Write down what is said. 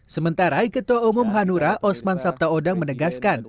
sementara ketua umum hanura osman sabtaodang menegaskan